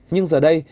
nhưng giờ đây